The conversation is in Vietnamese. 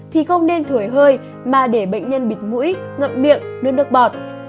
thì không nên thổi hơi mà để bệnh nhân bịt mũi ngậm miệng nước nước bọt